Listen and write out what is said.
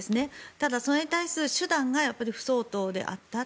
ただ、それに対する手段が不相当であった。